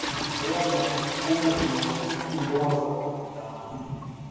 Ndoa za kisukuma zinaruhusu ndoa za mitaala